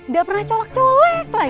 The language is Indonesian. gak pernah colak colik lagi